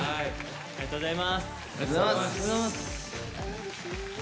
ありがとうございます。